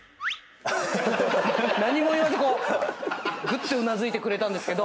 何も言わずこうぐってうなずいてくれたんですけど。